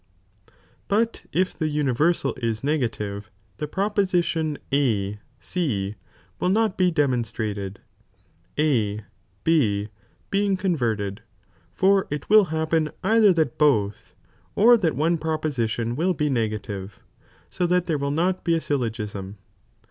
But if the universal is negaiive, the proposition A C will not be de mon3tral«d, A B being converted, for it will hap pen either that both ' or that one' proposition will be negative so that there will not be a syUogism.